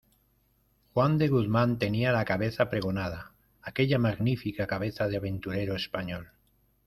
juan de Guzmán tenía la cabeza pregonada, aquella magnífica cabeza de aventurero español.